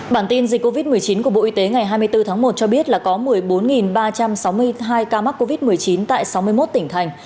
bản tin dịch covid một mươi chín của bộ y tế ngày hai mươi bốn tháng một cho biết là có một mươi bốn ba trăm sáu mươi hai ca mắc covid một mươi chín tại sáu mươi một tỉnh thành